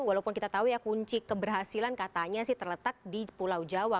walaupun kita tahu ya kunci keberhasilan katanya sih terletak di pulau jawa